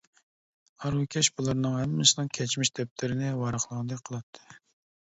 ھارۋىكەش بۇلارنىڭ ھەممىسىنىڭ كەچمىش دەپتىرىنى ۋاراقلىغاندەك قىلاتتى.